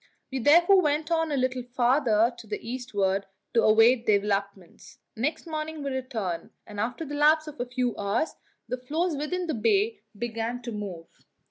We therefore went on a little farther to the eastward to await developments. Next morning we returned, and after the lapse of a few hours the floes within the bay began to move.